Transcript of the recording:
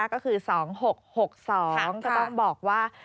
ก็คือ๒๖๖๒ก็ต้องบอกว่า